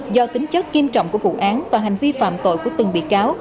do tính chất nghiêm trọng của vụ án và hành vi phạm tội của từng bị cáo